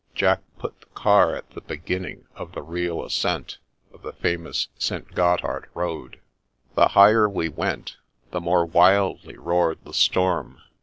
Jack put the car at the beginning of the real ascent of the famous St. Gothard Road. The higher we went, the more wildly roared the storm.